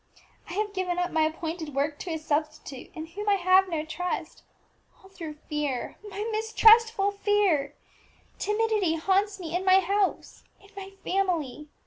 _ I have given up my own appointed work to a substitute in whom I have no trust, all through fear my mistrustful fear! Timidity haunts me in my house in my family.